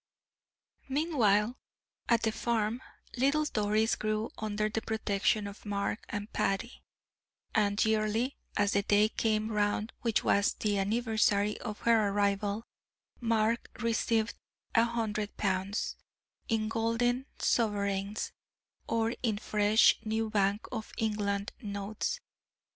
Meanwhile, at the farm little Doris grew under the protection of Mark and Patty, and yearly, as the day came round which was the anniversary of her arrival, Mark received a hundred pounds, in golden sovereigns, or in fresh, new Bank of England notes.